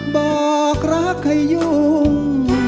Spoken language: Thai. บอกรักให้ยุ่ง